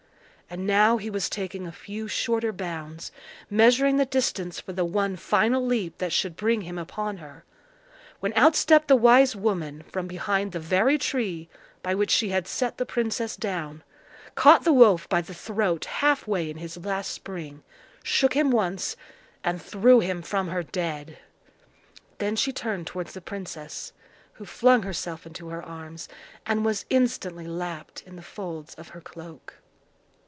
And now he was taking a few shorter bounds, measuring the distance for the one final leap that should bring him upon her, when out stepped the wise woman from behind the very tree by which she had set the princess down, caught the wolf by the throat half way in his last spring, shook him once, and threw him from her dead. Then she turned towards the princess, who flung herself into her arms, and was instantly lapped in the folds of her cloak.